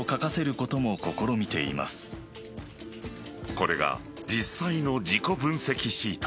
これが実際の自己分析シート。